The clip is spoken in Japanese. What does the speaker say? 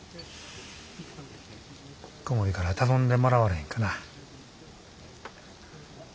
小森から頼んでもらわれへんかな。